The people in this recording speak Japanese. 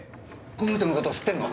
この人の事知ってんの？